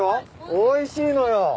おいしいのよ。